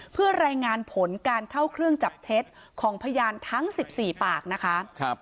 เพื่อรายงานผลการเข้าเครื่องจับเท็จของพยานทั้ง๑๔ปากนะคะ